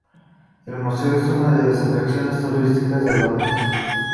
El museo es una de las atracciones turísticas de Londres.